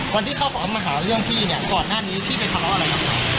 วันที่เขามาหาเรื่องพี่เนี่ยก่อนหน้านี้พี่ไปทะเลาะอะไรครับ